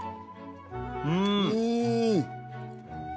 うん！